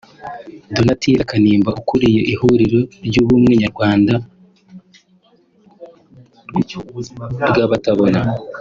Donatilla Kanimba ukuriye ihuriro ry’ubumwe nyarwanda bw’abatabona